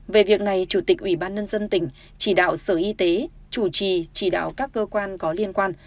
về việc này chủ tịch ủy ban nhân dân tỉnh chỉ đạo sở y tế chủ trì chỉ đạo các cơ quan có liên quan